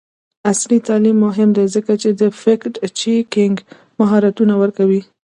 عصري تعلیم مهم دی ځکه چې د فکټ چیکینګ مهارتونه ورکوي.